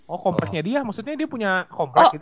oh kompleknya dia maksudnya dia punya komplek gitu